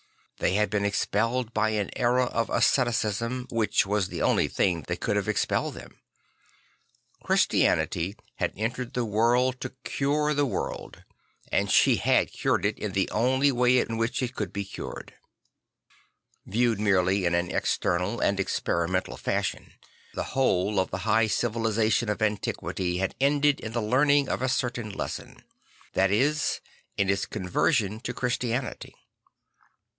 They had been expelled by an era of asceticism, which was the onl y thing that could have expelled them. Christianity had entered the world to cure the 'The TV orZd St. Francis Found 27 world; and she had cured it in the only way in which it could be cured. Viewed merely in an external and experimental fashion, the whole of the high civilisation of antiquity had ended in the learning of a certain lesson; that is, in its conversion to Christianity.